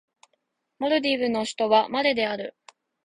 モルディブの首都はマレである